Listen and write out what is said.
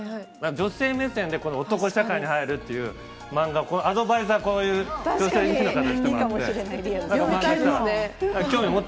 女性目線で、男社会に入るっていう漫画、アドバイザーを、こういう女性議員の方にしてもらって。